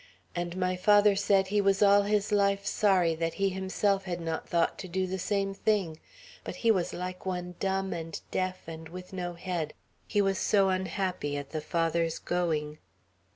And my father said he was all his life sorry that he himself had not thought to do the same thing; but he was like one dumb and deaf and with no head, he was so unhappy at the Father's going."